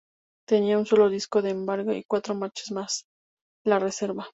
Tenía un sólo disco de embrague y cuatro marchas más la reversa.